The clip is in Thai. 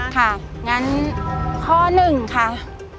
ค่ะงั้นข้อหนึ่งค่ะ